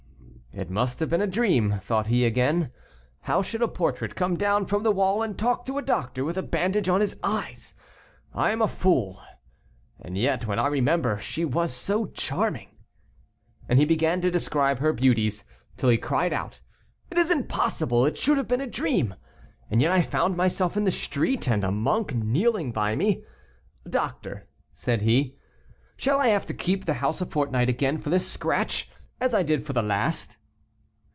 "It must have been a dream," thought he again: "how should a portrait come down from the wall and talk to a doctor with a bandage on his eyes? I am a fool; and yet when I remember she was so charming," and he began to describe her beauties, till he cried out, "It is impossible it should have been a dream; and yet I found myself in the street, and a monk kneeling by me. Doctor," said he, "shall I have to keep the house a fortnight again for this scratch, as I did for the last?"